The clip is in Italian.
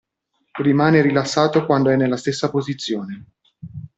Rimane rilassato quando è nella stessa posizione.